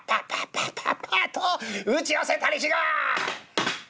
打ち寄せたりしが！」。